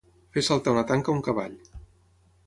Fer saltar una tanca a un cavall.